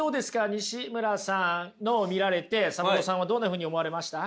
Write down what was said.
にしむらさんのを見られてサブローさんはどんなふうに思われました？